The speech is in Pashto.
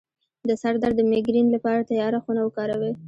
د سر درد د میګرین لپاره تیاره خونه وکاروئ